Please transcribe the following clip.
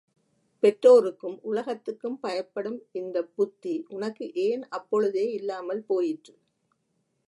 பெற்றோருக்கும் உலகத்துக்கும் பயப்படும் இந்தப் புத்தி உனக்கு ஏன் அப்பொழுதே இல்லாமல் போயிற்று?